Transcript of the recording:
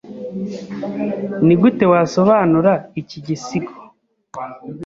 Nigute wasobanura iki gisigo?